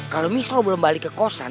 kalau misal belum balik ke kosan